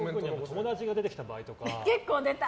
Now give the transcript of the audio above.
友達が出てきた場合とか。